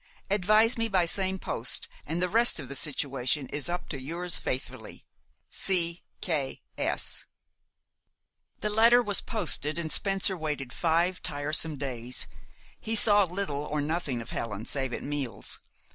Advise me by same post, and the rest of the situation is up to yours faithfully, "C. K. S." The letter was posted, and Spencer waited five tiresome days. He saw little or nothing of Helen save at meals.